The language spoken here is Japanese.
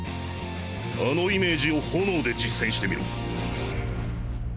あのイメージを炎で実践してみろ。